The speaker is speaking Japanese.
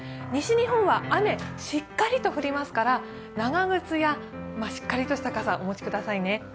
西日本は雨、しっかりと降りますから長靴やしっかりとした傘をお持ちくださいね。